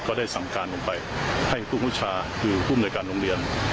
ก็ได้สำการลงไปให้ผู้ผู้ชาหรือผู้บริการโรงเรียน